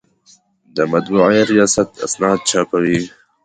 د مطبعې ریاست اسناد چاپوي